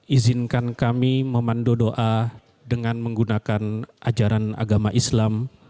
izinkan kami memandu doa dengan menggunakan ajaran agama islam